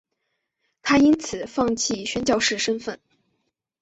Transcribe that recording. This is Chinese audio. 她因此放弃宣教士身分。